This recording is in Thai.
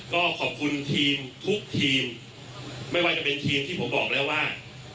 ขอบคุณทีมมายว่าจะเป็นทีมที่ผมบอกเลยว่า